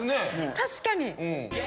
確かに。